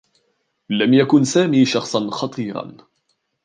لم يكن سامي شخصا خطيرا.